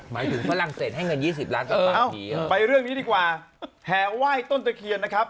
หมายถึงฝรั่งเศสให้เงิน๒๐ล้านกลับบ้านไปเรื่องนี้ดีกว่าแห่ไหว้ต้นตะเคียนนะครับ